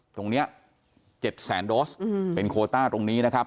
ตรงเนี่ย๗๐๐๐๐๐โดสเป็นโควต้าตรงนี้นะครับ